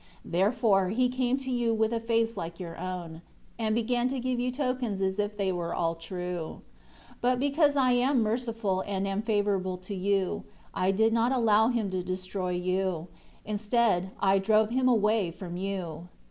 9 Therefore he came to you with a face like your own, and began to give you tokens as if they were all true. 10 But because I am merciful and am favorable to you, I did not allow him to destroy you; instead I drove him away from you.